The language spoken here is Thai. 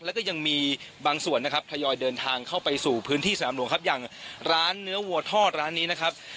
และก็ยังมีบางส่วนทยอยเดินทางเข้าไปพื้นสถานบริวัติธรรมอย่างร้านเนื้อวัวทอดร้านนี้นะครับ